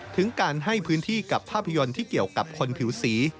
ถึงการให้พื้นที่กับภาพยนตร์ที่เกี่ยวกับคนผิวสี